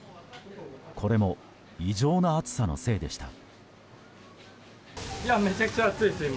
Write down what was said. これも異常な暑さのせいでした。